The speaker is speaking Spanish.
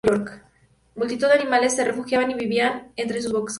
Multitud de animales se refugiaban y vivían entre sus bosquetes.